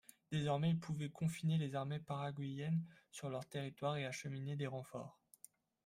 Désormais, il pouvait confiner les armées paraguayennes sur leur territoire et acheminer des renforts.